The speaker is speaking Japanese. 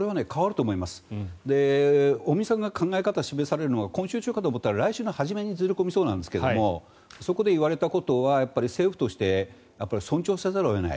尾身さんが考え方を示されるのは今週中かと思ったら来週の初めにずれ込みそうなんですがそこで言われたことは政府として尊重せざるを得ない。